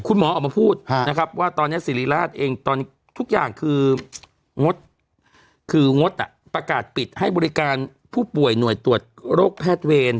คุณหมอออกมาพูดนะครับว่าตอนนี้สิริราชเองตอนทุกอย่างคืองดคืองดประกาศปิดให้บริการผู้ป่วยหน่วยตรวจโรคแพทย์เวร